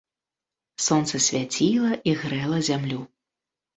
Сонца свяціла і грэла зямлю.